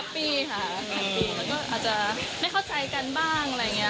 อาจจะไม่เข้าใจกันบ้างอะไรอย่างนี้